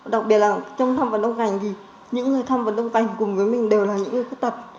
đặc biệt là trong tham vấn đồng cảnh thì những người tham vấn đồng cảnh cùng với mình đều là những người khuyết tật